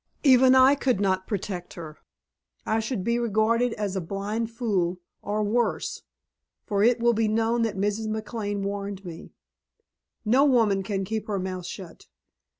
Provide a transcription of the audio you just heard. Even I could not protect her; I should be regarded as a blind fool, or worse, for it will be known that Mrs. McLane warned me. No woman can keep her mouth shut.